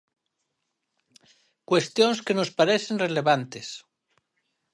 Cuestións que nos parecen relevantes.